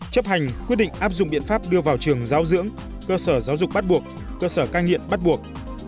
chấp hành quyết định áp dụng biện pháp đưa vào trường giáo dưỡng cơ sở giáo dục bắt buộc cơ sở cai nghiện bắt buộc